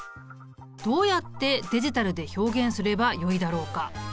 どうやってデジタルで表現すればよいだろうか？